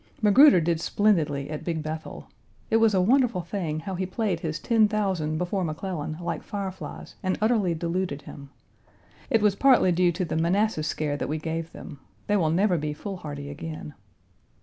Magruder did splendidly at Big Bethel. It was a wonderful thing how he played his ten thousand before McClellan like fireflies and utterly deluded him. It was partly due to the Manassas scare that we gave them; they will never be foolhardy again.